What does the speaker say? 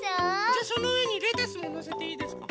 じゃあそのうえにレタスものせていいですか？